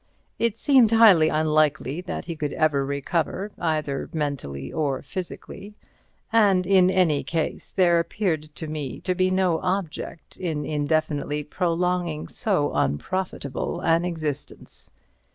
It seemed highly unlikely that he could ever recover, either mentally or physically, and in any case there appeared to me to be no object in indefinitely prolonging so unprofitable an existence.